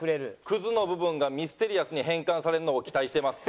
クズの部分がミステリアスに変換されるのを期待してます。